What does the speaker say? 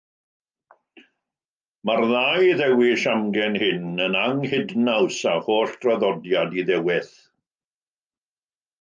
Mae'r ddau ddewis amgen hyn yn anghydnaws â holl draddodiad Iddewiaeth.